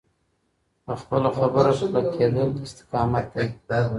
په خپله خبره کلکېدل استقامت دی.